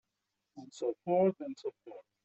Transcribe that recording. And so forth and so forth.